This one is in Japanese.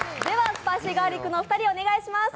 スパイシーガーリックのお二人お願いします。